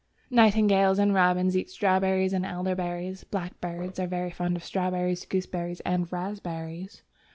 Nightingales and robins eat strawberries and elderberries; blackbirds are very fond of strawberries, gooseberries, and raspberries.